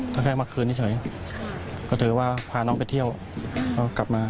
ถ้าแค่มาคืนนี่เฉยก็เฉยว่าพาน้องไปเที่ยวก็กลับมา